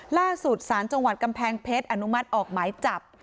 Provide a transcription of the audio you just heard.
ล่าสุดสารจังหวัดกำแพงเพชรอนุมัติออกหมายจับ